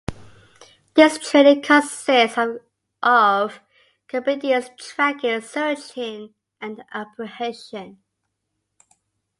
This training consists of obedience, tracking, searching, and apprehension.